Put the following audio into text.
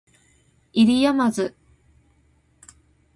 不入斗